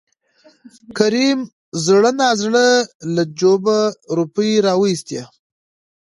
کريم زړه نازړه له جوبه روپۍ راوېستې.